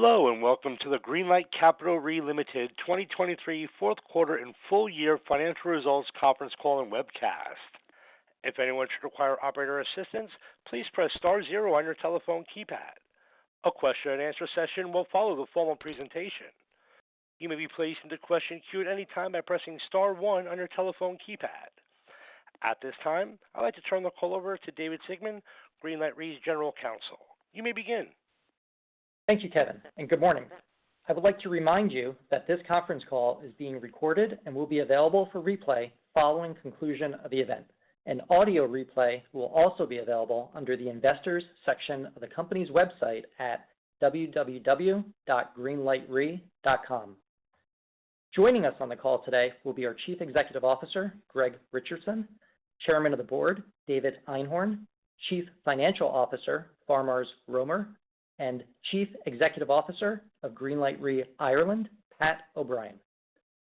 Hello and welcome to the Greenlight Capital Re, Ltd. 2023 Fourth Quarter and Full Year Financial Results conference call and webcast. If anyone should require operator assistance, please press star zero on your telephone keypad. A question and answer session will follow the formal presentation. You may be placed into question queue at any time by pressing star one on your telephone keypad. At this time, I'd like to turn the call over to David Sigmon, Greenlight Re General Counsel. You may begin. Thank you, Kevin, and good morning. I would like to remind you that this conference call is being recorded and will be available for replay following conclusion of the event. An audio replay will also be available under the investors section of the company's website at www.greenlightre.com. Joining us on the call today will be our Chief Executive Officer, Greg Richardson, Chairman of the Board, David Einhorn, Chief Financial Officer, Faramarz Romer, and Chief Executive Officer of Greenlight Reinsurance Ireland, Pat O’Brien.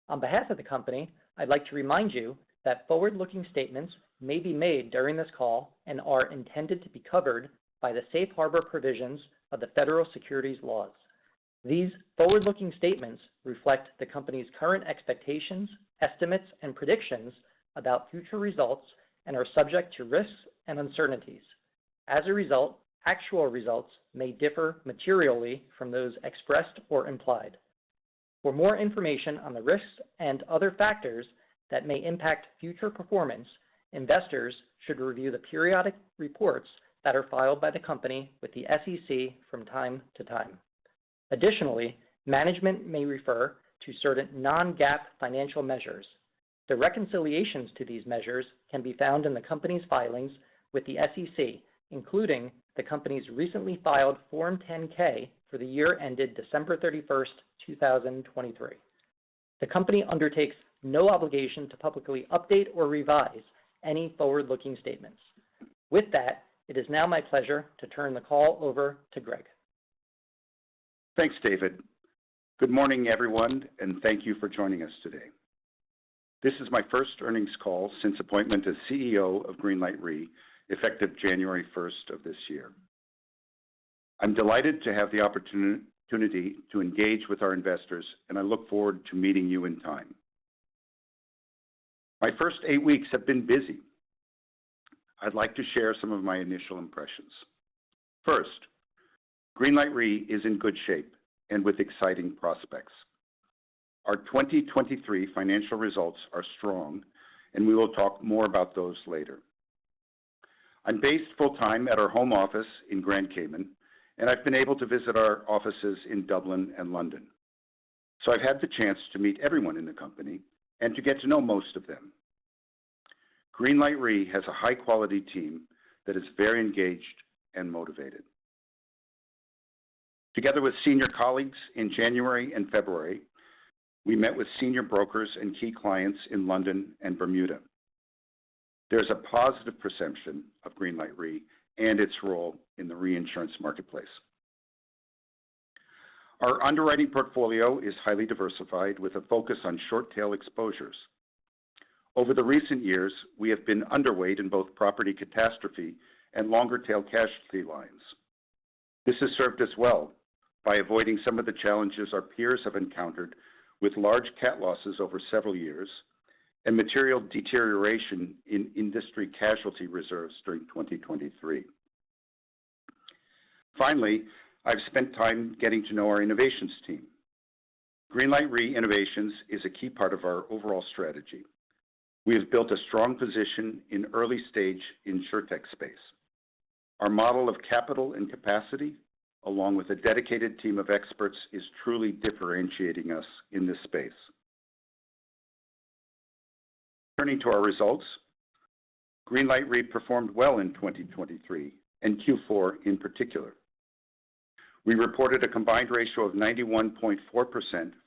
On behalf of the company, I'd like to remind you that forward-looking statements may be made during this call and are intended to be covered by the safe harbor provisions of the federal securities laws. These forward-looking statements reflect the company's current expectations, estimates, and predictions about future results and are subject to risks and uncertainties. As a result, actual results may differ materially from those expressed or implied. For more information on the risks and other factors that may impact future performance, investors should review the periodic reports that are filed by the company with the SEC from time to time. Additionally, management may refer to certain non-GAAP financial measures. The reconciliations to these measures can be found in the company's filings with the SEC, including the company's recently filed Form 10-K for the year ended December 31st, 2023. The company undertakes no obligation to publicly update or revise any forward-looking statements. With that, it is now my pleasure to turn the call over to Greg. Thanks, David. Good morning, everyone, and thank you for joining us today. This is my first earnings call since appointment as CEO of Greenlight Re, effective January 1st of this year. I'm delighted to have the opportunity to engage with our investors, and I look forward to meeting you in time. My first eight weeks have been busy. I'd like to share some of my initial impressions. First, Greenlight Re is in good shape and with exciting prospects. Our 2023 financial results are strong, and we will talk more about those later. I'm based full-time at our home office in Grand Cayman, and I've been able to visit our offices in Dublin and London. So I've had the chance to meet everyone in the company and to get to know most of them. Greenlight Re has a high-quality team that is very engaged and motivated. Together with senior colleagues in January and February, we met with senior brokers and key clients in London and Bermuda. There is a positive perception of Greenlight Re and its role in the reinsurance marketplace. Our underwriting portfolio is highly diversified with a focus on short-tail exposures. Over the recent years, we have been underweight in both property catastrophe and longer-tail casualty lines. This has served us well by avoiding some of the challenges our peers have encountered with large cat losses over several years and material deterioration in industry casualty reserves during 2023. Finally, I've spent time getting to know our innovations team. Greenlight Re innovations is a key part of our overall strategy. We have built a strong position in early-stage insurtech space. Our model of capital and capacity, along with a dedicated team of experts, is truly differentiating us in this space. Turning to our results, Greenlight Re performed well in 2023 and Q4 in particular. We reported a combined ratio of 91.4%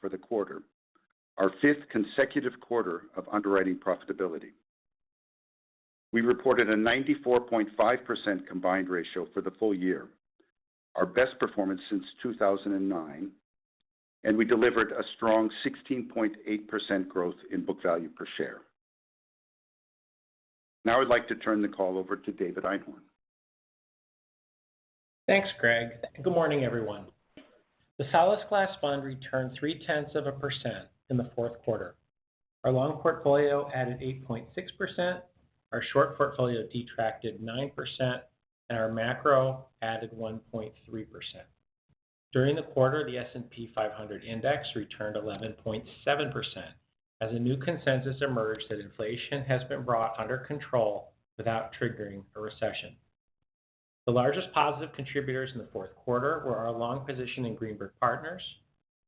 for the quarter, our fifth consecutive quarter of underwriting profitability. We reported a 94.5% combined ratio for the full year, our best performance since 2009, and we delivered a strong 16.8% growth in book value per share. Now I'd like to turn the call over to David Einhorn. Thanks, Greg. Good morning, everyone. The Solasglas Fund returned 0.3% in the fourth quarter. Our long portfolio added 8.6%, our short portfolio detracted 9%, and our macro added 1.3%. During the quarter, the S&P 500 index returned 11.7% as a new consensus emerged that inflation has been brought under control without triggering a recession. The largest positive contributors in the fourth quarter were our long position in Green Brick Partners,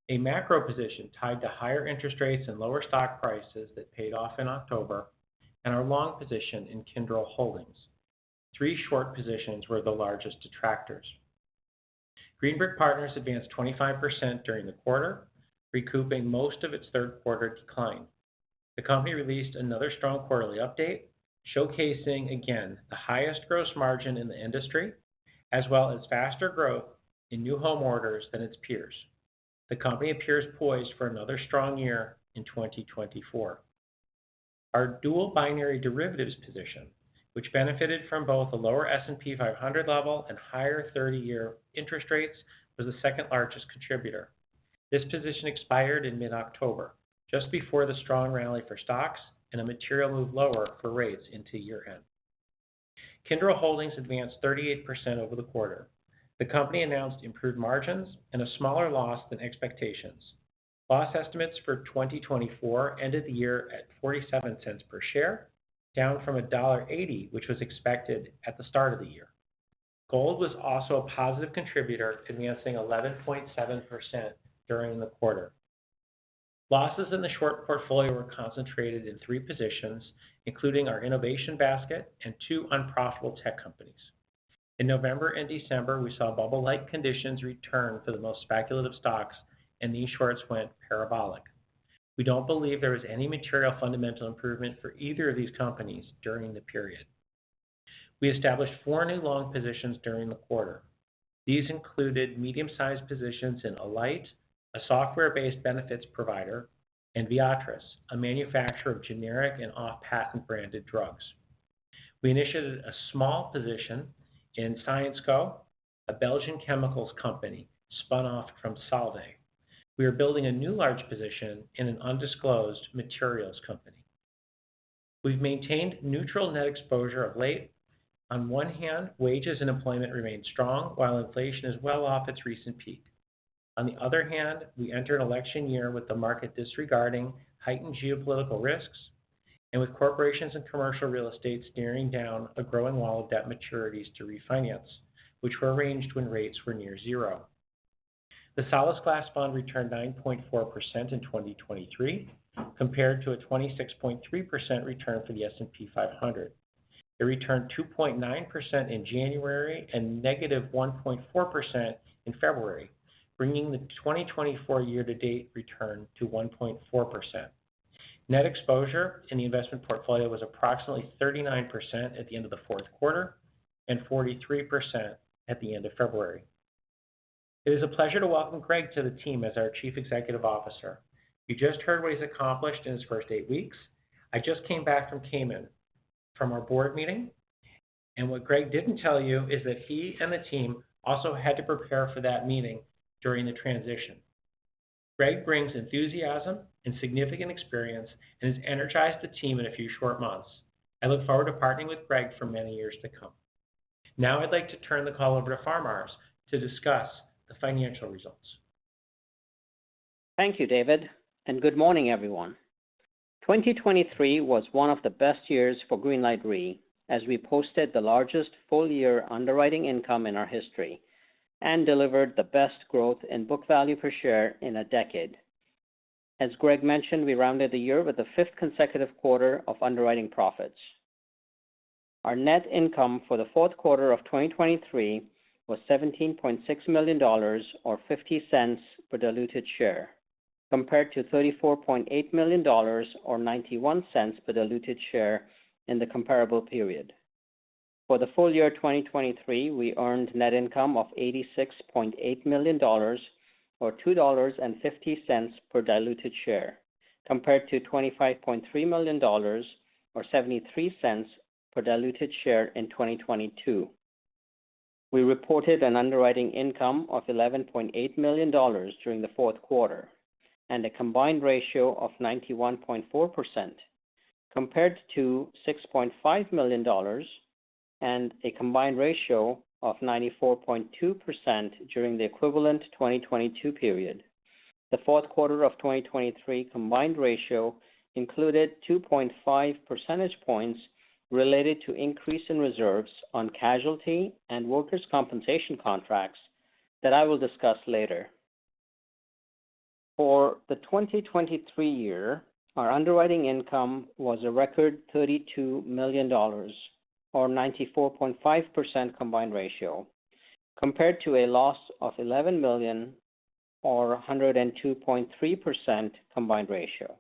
a macro position tied to higher interest rates and lower stock prices that paid off in October, and our long position in Kyndryl Holdings. Three short positions were the largest detractors. Green Brick Partners advanced 25% during the quarter, recouping most of its third-quarter decline. The company released another strong quarterly update, showcasing again the highest gross margin in the industry, as well as faster growth in new home orders than its peers. The company appears poised for another strong year in 2024. Our dual binary derivatives position, which benefited from both a lower S&P 500 level and higher 30-year interest rates, was the second-largest contributor. This position expired in mid-October, just before the strong rally for stocks and a material move lower for rates into year-end. Kyndryl Holdings advanced 38% over the quarter. The company announced improved margins and a smaller loss than expectations. Loss estimates for 2024 ended the year at $0.0047 per share, down from $1.80, which was expected at the start of the year. Gold was also a positive contributor, advancing 11.7% during the quarter. Losses in the short portfolio were concentrated in three positions, including our innovation basket and two unprofitable tech companies. In November and December, we saw bubble-like conditions return for the most speculative stocks, and these shorts went parabolic. We don't believe there was any material fundamental improvement for either of these companies during the period. We established four new long positions during the quarter. These included medium-sized positions in Alight, a software-based benefits provider, and Viatris, a manufacturer of generic and off-patent branded drugs. We initiated a small position in Syensqo, a Belgian chemicals company spun off from Solvay. We are building a new large position in an undisclosed materials company. We've maintained neutral net exposure of late. On one hand, wages and employment remain strong while inflation is well off its recent peak. On the other hand, we enter an election year with the market disregarding heightened geopolitical risks and with corporations and commercial real estate steering down a growing wall of debt maturities to refinance, which were arranged when rates were near zero. The Solasglas Fund returned 9.4% in 2023, compared to a 26.3% return for the S&P 500. It returned 2.9% in January and -1.4% in February, bringing the 2024 year-to-date return to 1.4%. Net exposure in the investment portfolio was approximately 39% at the end of the fourth quarter and 43% at the end of February. It is a pleasure to welcome Greg to the team as our Chief Executive Officer. You just heard what he's accomplished in his first eight weeks. I just came back from Cayman from our board meeting, and what Greg didn't tell you is that he and the team also had to prepare for that meeting during the transition. Greg brings enthusiasm and significant experience and has energized the team in a few short months. I look forward to partnering with Greg for many years to come. Now I'd like to turn the call over to Faramarz to discuss the financial results. Thank you, David, and good morning, everyone. 2023 was one of the best years for Greenlight Re as we posted the largest full-year underwriting income in our history and delivered the best growth in book value per share in a decade. As Greg mentioned, we rounded out the year with the fifth consecutive quarter of underwriting profits. Our net income for the fourth quarter of 2023 was $17.6 million or $0.50 per diluted share, compared to $34.8 million or $0.91 per diluted share in the comparable period. For the full year 2023, we earned net income of $86.8 million or $2.50 per diluted share, compared to $25.3 million or $0.73 per diluted share in 2022. We reported an underwriting income of $11.8 million during the fourth quarter and a combined ratio of 91.4%, compared to $6.5 million and a combined ratio of 94.2% during the equivalent 2022 period. The fourth quarter of 2023 combined ratio included 2.5 percentage points related to increase in reserves on casualty and workers' compensation contracts that I will discuss later. For the 2023 year, our underwriting income was a record $32 million or 94.5% combined ratio, compared to a loss of $11 million or 102.3% combined ratio.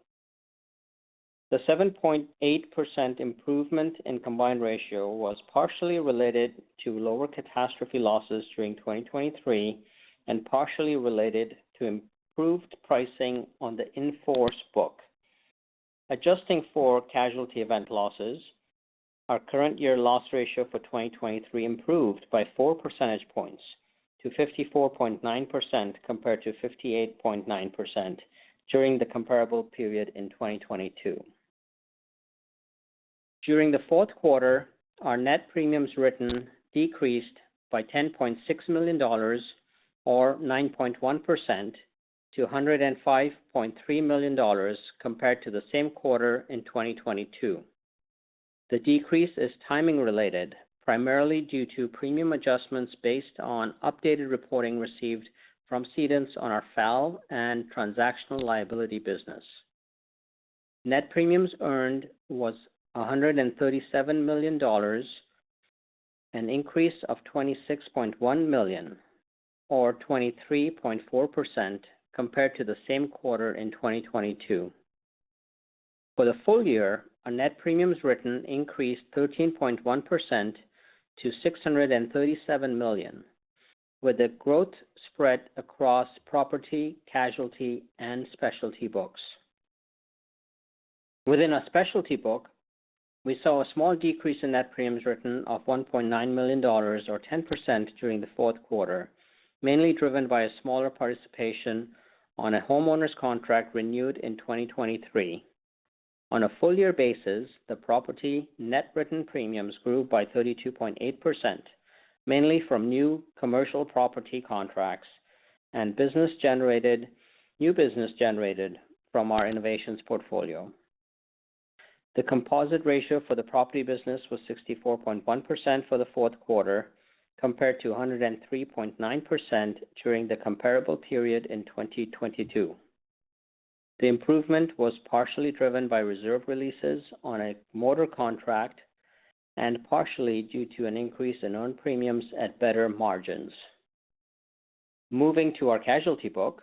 The 7.8% improvement in combined ratio was partially related to lower catastrophe losses during 2023 and partially related to improved pricing on the in-force book. Adjusting for casualty event losses, our current-year loss ratio for 2023 improved by 4 percentage points to 54.9% compared to 58.9% during the comparable period in 2022. During the fourth quarter, our net premiums written decreased by $10.6 million or 9.1% to $105.3 million compared to the same quarter in 2022. The decrease is timing-related, primarily due to premium adjustments based on updated reporting received from cedents on our FAL and transactional liability business. Net premiums earned was $137 million, an increase of $26.1 million or 23.4% compared to the same quarter in 2022. For the full year, our net premiums written increased 13.1% to $637 million, with a growth spread across property, casualty, and specialty books. Within our specialty book, we saw a small decrease in net premiums written of $1.9 million or 10% during the fourth quarter, mainly driven by a smaller participation on a homeowners contract renewed in 2023. On a full-year basis, the property net written premiums grew by 32.8%, mainly from new commercial property contracts and new business generated from our innovations portfolio. The composite ratio for the property business was 64.1% for the fourth quarter, compared to 103.9% during the comparable period in 2022. The improvement was partially driven by reserve releases on a mortgage contract and partially due to an increase in earned premiums at better margins. Moving to our casualty book,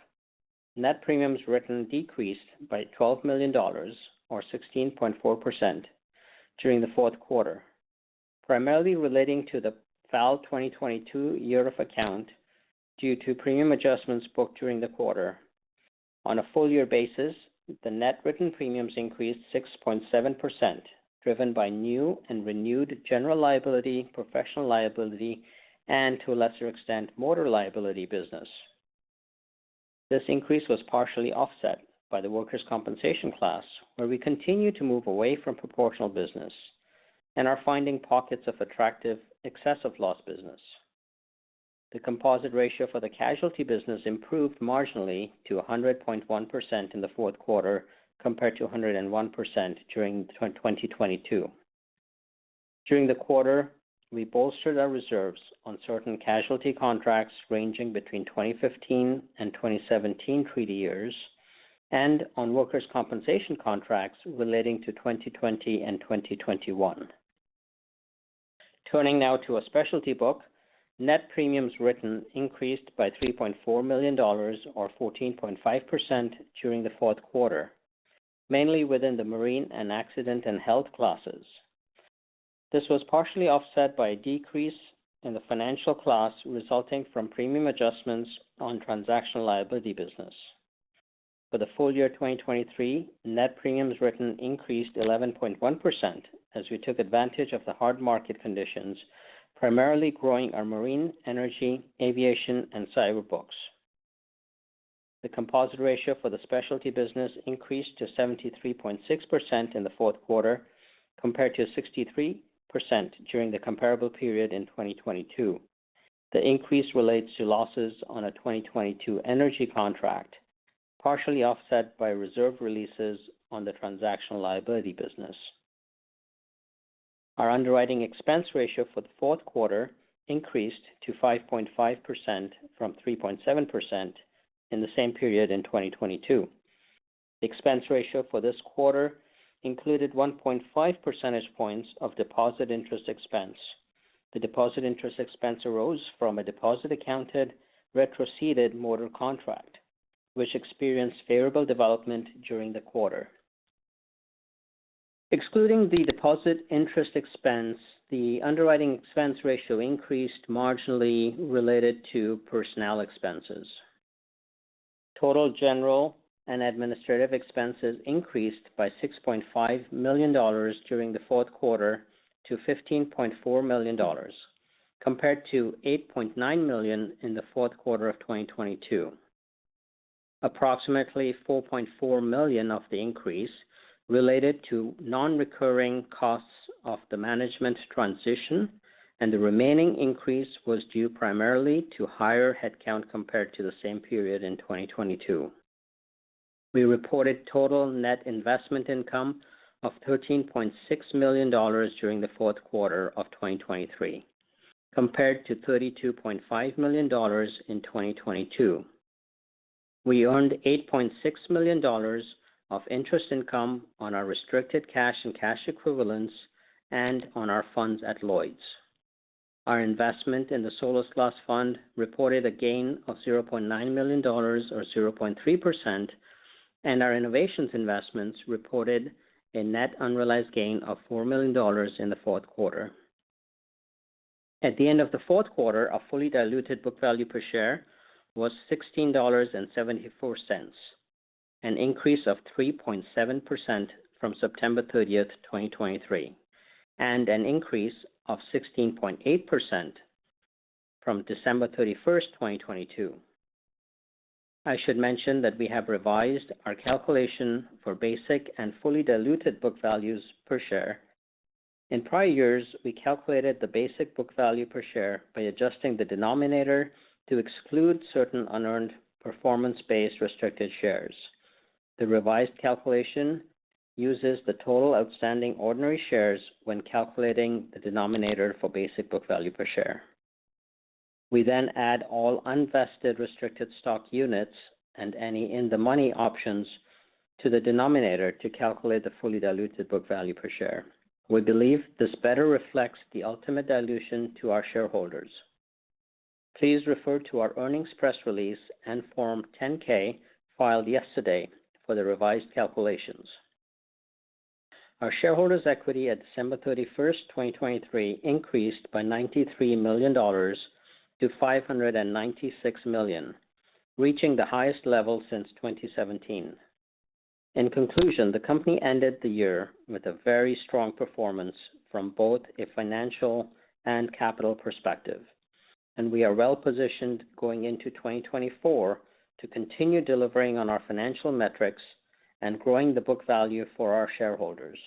net premiums written decreased by $12 million or 16.4% during the fourth quarter, primarily relating to the FAL 2022 year-of-account due to premium adjustments booked during the quarter. On a full-year basis, the net written premiums increased 6.7%, driven by new and renewed general liability, professional liability, and to a lesser extent, mortgage liability business. This increase was partially offset by the workers' compensation class, where we continue to move away from proportional business and are finding pockets of attractive, excess of loss business. The composite ratio for the casualty business improved marginally to 100.1% in the fourth quarter compared to 101% during 2022. During the quarter, we bolstered our reserves on certain casualty contracts ranging between 2015 and 2017 treaty years and on workers' compensation contracts relating to 2020 and 2021. Turning now to our specialty book, net premiums written increased by $3.4 million or 14.5% during the fourth quarter, mainly within the marine and accident and health classes. This was partially offset by a decrease in the financial class resulting from premium adjustments on transactional liability business. For the full year 2023, net premiums written increased 11.1% as we took advantage of the hard market conditions, primarily growing our marine, energy, aviation, and cyber books. The composite ratio for the specialty business increased to 73.6% in the fourth quarter compared to 63% during the comparable period in 2022. The increase relates to losses on a 2022 energy contract, partially offset by reserve releases on the transactional liability business. Our underwriting expense ratio for the fourth quarter increased to 5.5% from 3.7% in the same period in 2022. The expense ratio for this quarter included 1.5 percentage points of deposit interest expense. The deposit interest expense arose from a deposit-accounted retroceded mortgage contract, which experienced favorable development during the quarter. Excluding the deposit interest expense, the underwriting expense ratio increased marginally related to personnel expenses. Total general and administrative expenses increased by $6.5 million during the fourth quarter to $15.4 million, compared to $8.9 million in the fourth quarter of 2022. Approximately $4.4 million of the increase related to non-recurring costs of the management transition, and the remaining increase was due primarily to higher headcount compared to the same period in 2022. We reported total net investment income of $13.6 million during the fourth quarter of 2023, compared to $32.5 million in 2022. We earned $8.6 million of interest income on our restricted cash and cash equivalents and on our funds at Lloyd's. Our investment in the Solasglas Fund reported a gain of $0.9 million or 0.3%, and our innovations investments reported a net unrealized gain of $4 million in the fourth quarter. At the end of the fourth quarter, our fully diluted book value per share was $16.74, an increase of 3.7% from September 30th, 2023, and an increase of 16.8% from December 31st, 2022. I should mention that we have revised our calculation for basic and fully diluted book values per share. In prior years, we calculated the basic book value per share by adjusting the denominator to exclude certain unearned performance-based restricted shares. The revised calculation uses the total outstanding ordinary shares when calculating the denominator for basic book value per share. We then add all unvested restricted stock units and any in-the-money options to the denominator to calculate the fully diluted book value per share. We believe this better reflects the ultimate dilution to our shareholders. Please refer to our earnings press release and Form 10-K filed yesterday for the revised calculations. Our shareholders' equity at December 31st, 2023, increased by $93 million to $596 million, reaching the highest level since 2017. In conclusion, the company ended the year with a very strong performance from both a financial and capital perspective, and we are well-positioned going into 2024 to continue delivering on our financial metrics and growing the book value for our shareholders.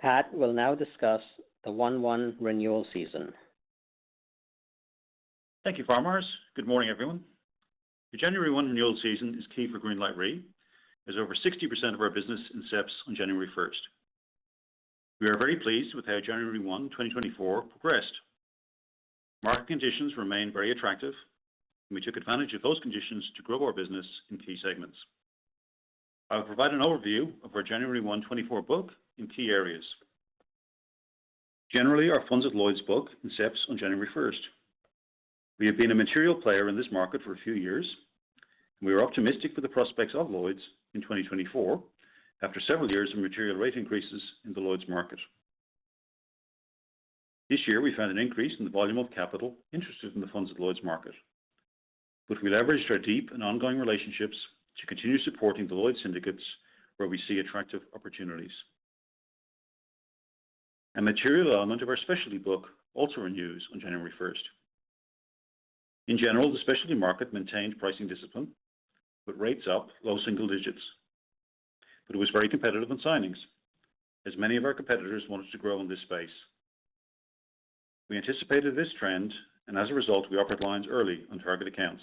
Pat will now discuss the 1/1 renewal season. Thank you, Faramarz. Good morning, everyone. The January 1 renewal season is key for Greenlight Re, as over 60% of our business incepts on January 1st. We are very pleased with how January 1, 2024, progressed. Market conditions remain very attractive, and we took advantage of those conditions to grow our business in key segments. I will provide an overview of our January 1, 2024 book in key areas. Generally, our funds at Lloyd's book incepts on January 1st. We have been a material player in this market for a few years, and we are optimistic for the prospects of Lloyd's in 2024 after several years of material rate increases in the Lloyd's market. This year, we found an increase in the volume of capital interested in the funds at Lloyd's market, but we leveraged our deep and ongoing relationships to continue supporting the Lloyd's syndicates where we see attractive opportunities. A material element of our specialty book also renews on January 1st. In general, the specialty market maintained pricing discipline but rates up low single digits. But it was very competitive in signings, as many of our competitors wanted to grow in this space. We anticipated this trend, and as a result, we operate lines early on target accounts.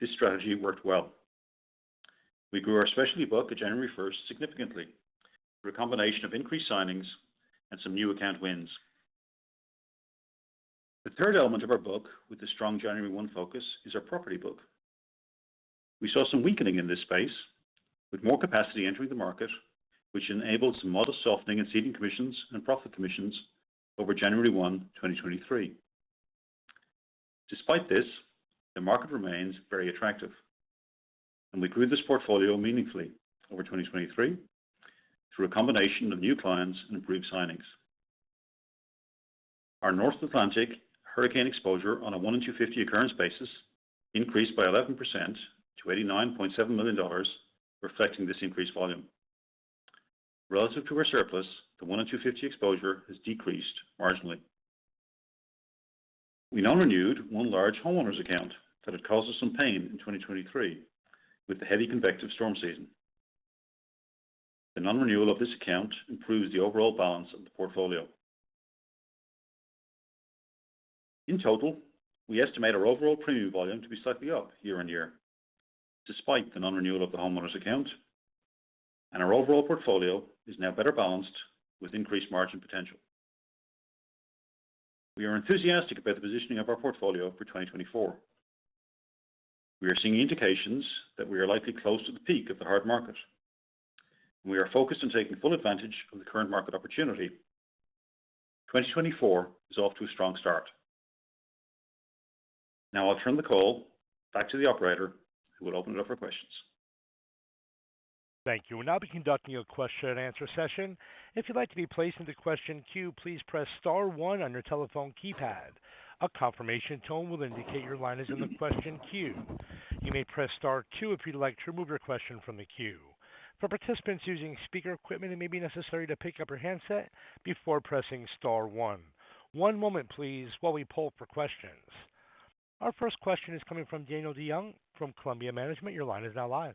This strategy worked well. We grew our specialty book on January 1st significantly through a combination of increased signings and some new account wins. The third element of our book with a strong January 1st focus is our property book. We saw some weakening in this space with more capacity entering the market, which enabled some modest softening in ceding commissions and profit commissions over January 1st, 2023. Despite this, the market remains very attractive, and we grew this portfolio meaningfully over 2023 through a combination of new clients and improved signings. Our North Atlantic hurricane exposure on a 1:250 occurrence basis increased by 11% to $89.7 million, reflecting this increased volume. Relative to our surplus, the 1:250 exposure has decreased marginally. We non-renewed one large homeowners' account that had caused us some pain in 2023 with the heavy convective storm season. The non-renewal of this account improves the overall balance of the portfolio. In total, we estimate our overall premium volume to be slightly up year-on-year despite the non-renewal of the homeowners' account, and our overall portfolio is now better balanced with increased margin potential. We are enthusiastic about the positioning of our portfolio for 2024. We are seeing indications that we are likely close to the peak of the hard market, and we are focused on taking full advantage of the current market opportunity. 2024 is off to a strong start. Now I'll turn the call back to the operator, who will open it up for questions. Thank you. We'll now be conducting a question-and-answer session. If you'd like to be placed into question queue, please press star 1 on your telephone keypad. A confirmation tone will indicate your line is in the question queue. You may press star 2 if you'd like to remove your question from the queue. For participants using speaker equipment, it may be necessary to pick up your handset before pressing star 1. One moment, please, while we pull for questions. Our first question is coming from Daniel DeYoung from Columbia Management. Your line is now live.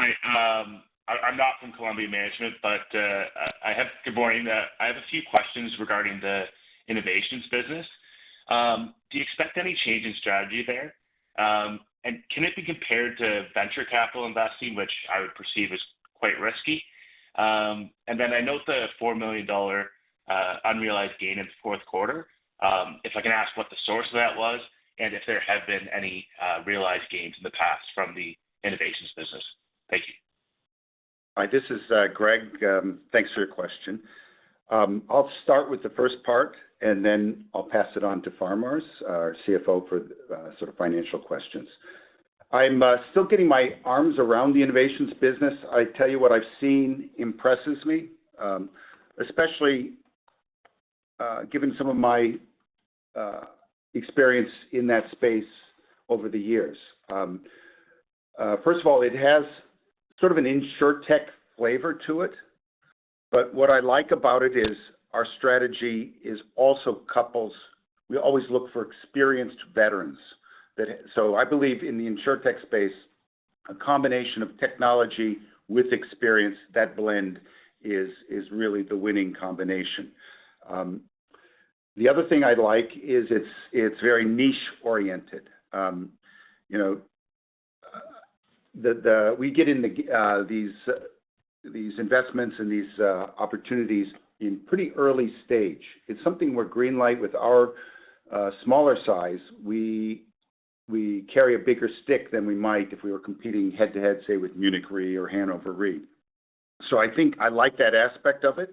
Hi. I'm not from Columbia Management, but good morning. I have a few questions regarding the innovations business. Do you expect any change in strategy there? Can it be compared to venture capital investing, which I would perceive as quite risky? I note the $4 million unrealized gain in the fourth quarter. If I can ask, what the source of that was and if there have been any realized gains in the past from the innovations business? Thank you. Hi. This is Greg. Thanks for your question. I'll start with the first part, and then I'll pass it on to Faramarz, our CFO, for sort of financial questions. I'm still getting my arms around the innovations business. I tell you, what I've seen impresses me, especially given some of my experience in that space over the years. First of all, it has sort of an insurtech flavor to it, but what I like about it is our strategy also couples we always look for experienced veterans. So I believe in the insurtech space, a combination of technology with experience, that blend is really the winning combination. The other thing I like is it's very niche-oriented. We get in these investments and these opportunities in pretty early stage. It's something where Greenlight, with our smaller size, we carry a bigger stick than we might if we were competing head-to-head, say, with Munich Re or Hannover Re. So I think I like that aspect of it.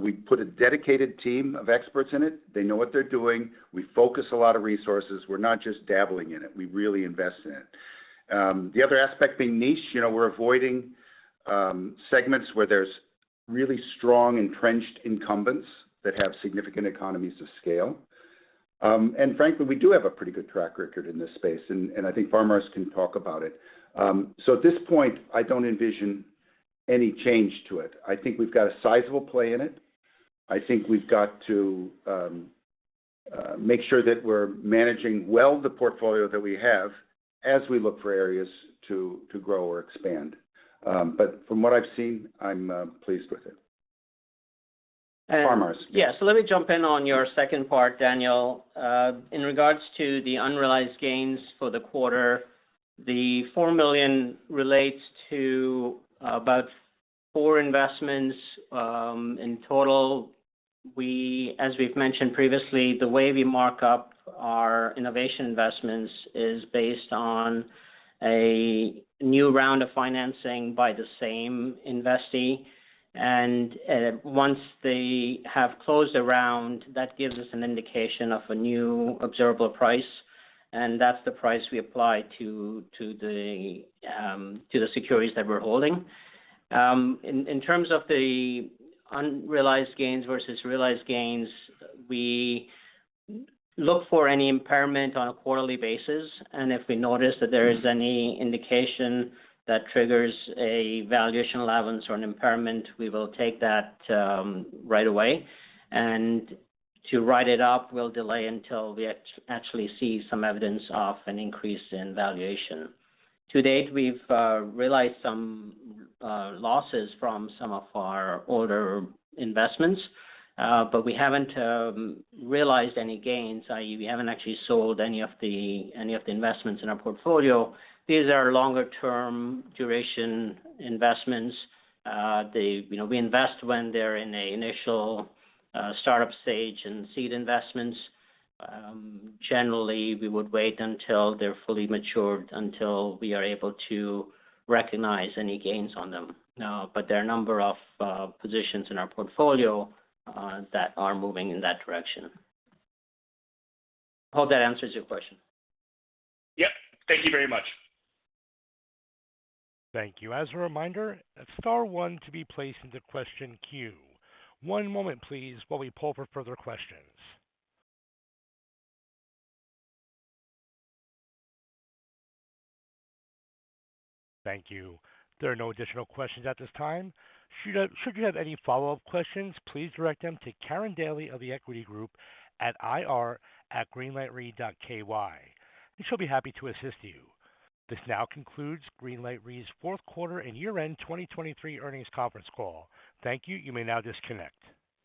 We put a dedicated team of experts in it. They know what they're doing. We focus a lot of resources. We're not just dabbling in it. We really invest in it. The other aspect being niche, we're avoiding segments where there's really strong entrenched incumbents that have significant economies of scale. And frankly, we do have a pretty good track record in this space, and I think Faramarz can talk about it. So at this point, I don't envision any change to it. I think we've got a sizable play in it. I think we've got to make sure that we're managing well the portfolio that we have as we look for areas to grow or expand. But from what I've seen, I'm pleased with it. Faramarz. Yeah. So let me jump in on your second part, Daniel. In regards to the unrealized gains for the quarter, the $4 million relates to about four investments in total. As we've mentioned previously, the way we mark up our innovation investments is based on a new round of financing by the same investee. And once they have closed a round, that gives us an indication of a new observable price, and that's the price we apply to the securities that we're holding. In terms of the unrealized gains versus realized gains, we look for any impairment on a quarterly basis. And if we notice that there is any indication that triggers a valuation level or an impairment, we will take that right away. And to write it up, we'll delay until we actually see some evidence of an increase in valuation. To date, we've realized some losses from some of our older investments, but we haven't realized any gains, i.e., we haven't actually sold any of the investments in our portfolio. These are longer-term duration investments. We invest when they're in an initial startup stage and seed investments. Generally, we would wait until they're fully matured, until we are able to recognize any gains on them. But there are a number of positions in our portfolio that are moving in that direction. I hope that answers your question. Yep. Thank you very much. Thank you. As a reminder, star 1 to be placed into question queue. One moment, please, while we pull for further questions. Thank you. There are no additional questions at this time. Should you have any follow-up questions, please direct them to Karen Daley of The Equity Group at ir@greenlightre.ky. And she'll be happy to assist you. This now concludes Greenlight Re's fourth quarter and year-end 2023 earnings conference call. Thank you. You may now disconnect.